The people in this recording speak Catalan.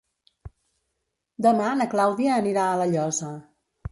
Demà na Clàudia anirà a La Llosa.